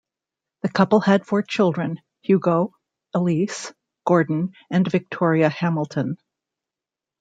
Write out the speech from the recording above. The couple had four children: Hugo, Elise, Gordon, and Victoria Hamilton.